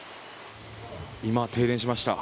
今、停電しました。